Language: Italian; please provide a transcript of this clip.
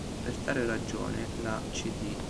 Per tale ragione, la cd.